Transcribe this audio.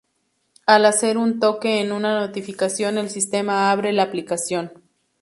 Al hacer un toque en una notificación el sistema abre la aplicación.